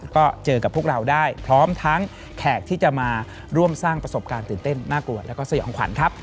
ก็เจอกับพวกเราได้พร้อมทั้งแขกที่จะมาร่วมสร้างประสบการณ์ตื่นเต้นน่ากลัวแล้วก็สยองขวัญครับ